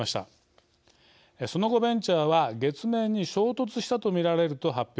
その後ベンチャーは月面に衝突したと見られると発表。